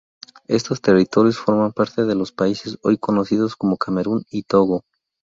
Estos territorios forman parte de los países hoy conocidos como Camerún y Togo.